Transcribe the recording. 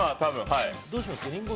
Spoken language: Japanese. どうします？